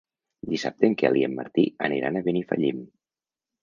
Dissabte en Quel i en Martí aniran a Benifallim.